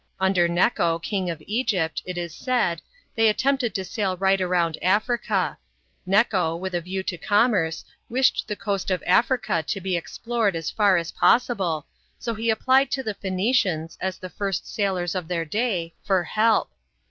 Under Neco, King of Egyjit, it is said, they attempted to sail right round Africa. Neuo^vath a view to commerce^ wished the coast of Africa to be explored as far as possible, so he applied to the Phoenicians, as the first sailors of their day, for help.